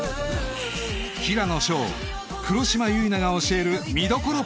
平野紫耀黒島結菜が教える見どころ